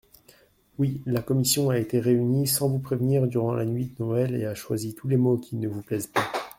Oui, la commission a été réunie sans vous prévenir durant la nuit de Noël et a choisi tous les mots qui ne vous plaisaient pas.